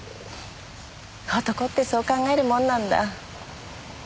男ってそう考えるもんなんだ。えっ？